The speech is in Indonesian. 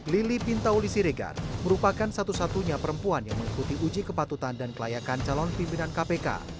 lili pintauli siregar merupakan satu satunya perempuan yang mengikuti uji kepatutan dan kelayakan calon pimpinan kpk